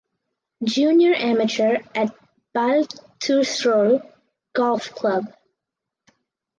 Junior Amateur at Baltusrol Golf Club.